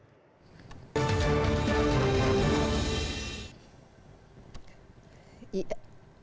pujo priyosusilo bandung jawa barat